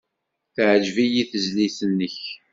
Teɛjeb-iyi tezlit-nnek.